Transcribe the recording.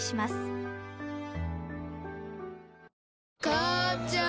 母ちゃん